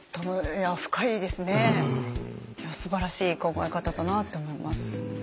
すばらしい考え方だなって思います。